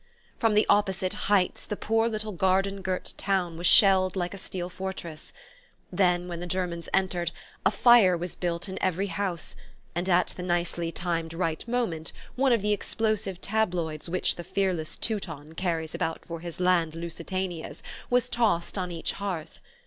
From the opposite heights the poor little garden girt town was shelled like a steel fortress; then, when the Germans entered, a fire was built in every house, and at the nicely timed right moment one of the explosive tabloids which the fearless Teuton carries about for his land Lusitanias was tossed on each hearth.